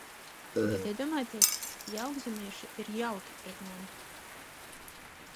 Bet, iedomājieties, jaukzemieši ir jauki pret mani!